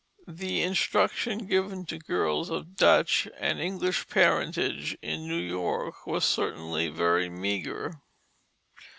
The instruction given to girls of Dutch and English parentage in New York was certainly very meagre.